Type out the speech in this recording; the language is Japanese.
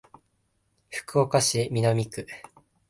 福岡市南区